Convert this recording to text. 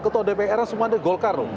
ketua dpr nya semua ada golkar